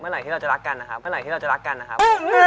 เมื่อไหร่ที่เราจะรักกันนะครับ